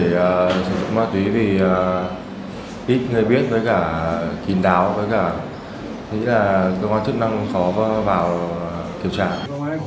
sử dụng ma túy vì ít người biết với cả kín đáo với cả nghĩa là cơ quan thức năng khó vào kiểu trạng